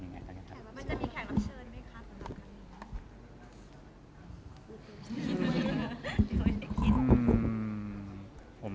มันจะมีแข่งรักเชิญไหมคะสำหรับที่นี้ครับ